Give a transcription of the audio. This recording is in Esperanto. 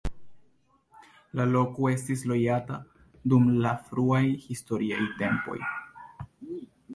La loko estis loĝata jam dum la fruaj historiaj tempoj.